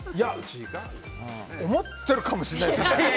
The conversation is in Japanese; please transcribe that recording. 思ってるかもしれないですね。